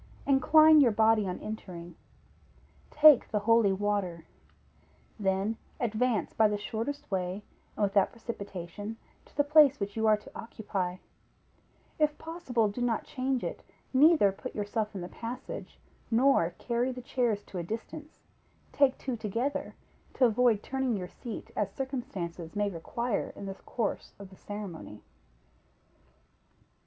Incline your body on entering; take the holy water; then advance by the shortest way, and without precipitation, to the place which you are to occupy; if possible, do not change it; neither put yourself in the passage, nor carry the chairs to a distance; take two together, to avoid turning your seat as circumstances may require in the course of the ceremony.